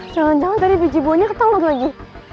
jangan jangan dari biji buahnya ketelur lagi